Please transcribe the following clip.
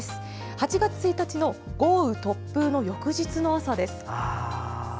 ８月１日の豪雨、突風の翌日の朝です。